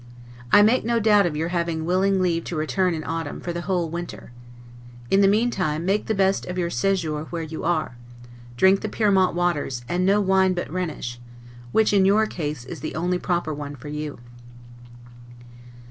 I make no doubt of your having willing leave to return in autumn, for the whole winter. In the meantime, make the best of your 'sejour' where you are; drink the Pyrmont waters, and no wine but Rhenish, which, in your case is the only proper one for you.